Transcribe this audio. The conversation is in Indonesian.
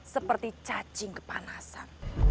seperti cacing kepanasan